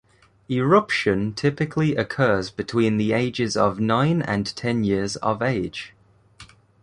Eruption typically occurs between the ages of nine and ten years of age.